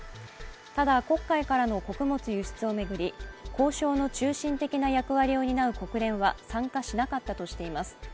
ただ、黒海からの穀物輸出を巡り交渉の中心的な役割を担う国連は参加しなかったとしています。